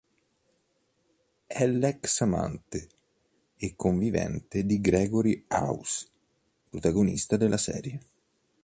È l'ex-amante e convivente di Gregory House, protagonista della serie.